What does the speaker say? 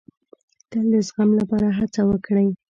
تل د زغم لپاره هڅه وکړئ.